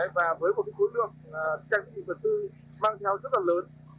và với một cái khối lượng trang bị vật tư mang theo rất là lớn